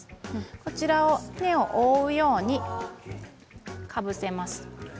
こちらを根っこを覆うようにしてかぶせます。